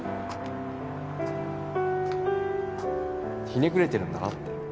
ひねくれてるんだなって。